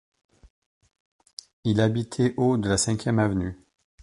Il habitait au de la Cinquième Avenue.